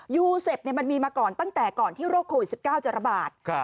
ยูเซฟมันมีมาก่อนตั้งแต่ก่อนที่โรคโควิด๑๙จะระบาด